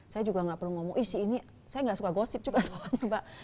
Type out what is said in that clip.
saya juga gak perlu ngomong ih ini saya gak suka gosip juga soalnya mbak